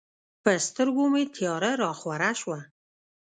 په سترګو مې تیاره راخوره شوه.